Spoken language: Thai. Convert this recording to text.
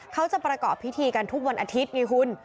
เขาจะประกอบพิธีกันทุกวันอาทิตย์ไงคุณ